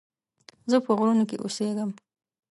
زه په غرونو کې اوسيږم